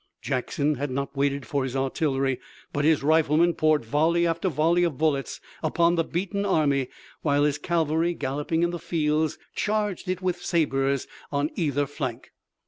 Jackson had not waited for his artillery, but his riflemen poured volley after volley of bullets upon the beaten army, while his cavalry, galloping in the fields, charged it with sabers on either flank.